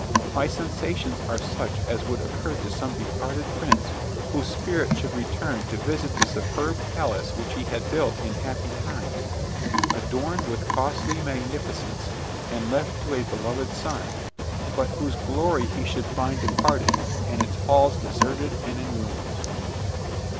My sensations are such as would occur to some departed prince whose spirit should return to visit the superb palace which he had built in happy times, adorned with costly magnificence, and left to a beloved son, but whose glory he should find departed, and its halls deserted and in ruins.